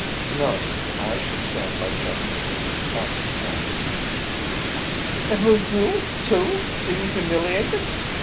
"No, I shall stand by Chester," answered Rand. "And will you, too, see me humiliated?"